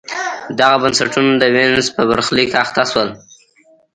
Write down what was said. دغه بنسټونه د وینز په برخلیک اخته شول.